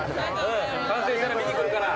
完成したら見に来るから。